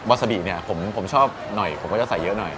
ซาดิเนี่ยผมชอบหน่อยผมก็จะใส่เยอะหน่อย